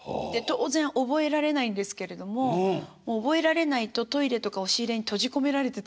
当然覚えられないんですけれども覚えられないとトイレとか押し入れに閉じ込められてたんです。